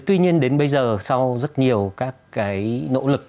tuy nhiên đến bây giờ sau rất nhiều các cái nỗ lực